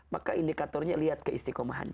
maka indikatornya lihat keistiqomahannya